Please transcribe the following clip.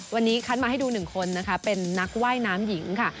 วันนี้คัดมาให้ดู๑คนนะคะเป็นนักว่ายน้ำหญิงค่ะ